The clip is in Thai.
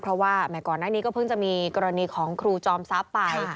เพราะก่อนนั้นก็เพิงมีกรณีของครูจอมซับไป